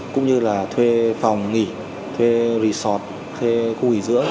cũng như là thuê phòng nghỉ thuê resort thuê khu nghỉ dưỡng